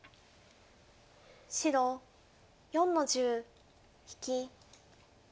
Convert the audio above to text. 白４の十引き。